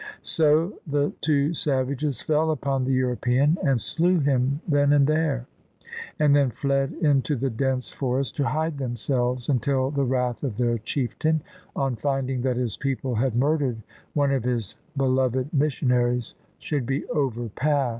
So the two savages fell upon the European and slew him then and there: and then fled into the dense forest to hide themselves, until the wrath of their chieftain (on finding that his people had murdered one of his beloved mis sionaries) should be overpast.